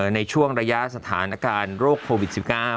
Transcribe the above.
ในช่วงระยะสถานการณ์โรคโควิด๑๙